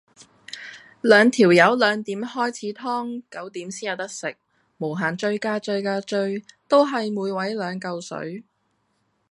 兩條友兩點開始劏九點先有得食，無限追加追加追，都係每位兩舊水